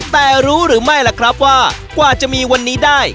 แต่รู้หรือไม่ล่ะครับว่ากว่าจะมีวันนี้ได้